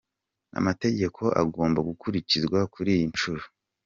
Amategeko agomba gukurikizwa kuri iyi nshuro.